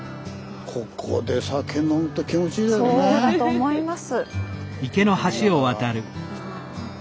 そうだと思います。